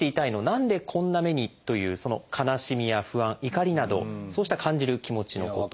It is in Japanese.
「何でこんな目に」というその悲しみや不安怒りなどそうした感じる気持ちのこと。